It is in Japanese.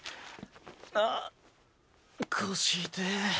ああっ腰痛ぇ。